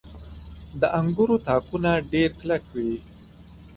• د انګورو تاکونه ډېر کلک وي.